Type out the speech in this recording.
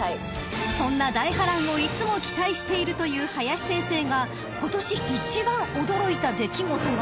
［そんな大波乱をいつも期待しているという林先生が今年一番驚いた出来事が］